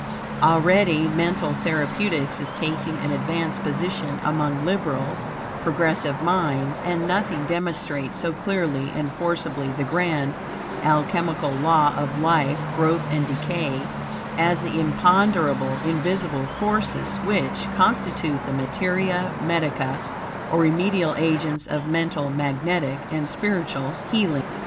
Already, mental therapeutics is taking an advanced position among liberal, progressive minds, and nothing demonstrates so clearly and forcibly the grand, alchemical law of life growth and decay, as the imponderable, invisible forces, which, constitute the materia medica, or remedial agents, of mental, magnetic, and spiritual healing.